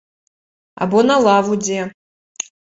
Або на лаву дзе.